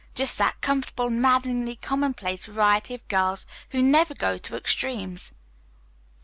Just that comfortable, maddeningly commonplace variety of girls who never go to extremes."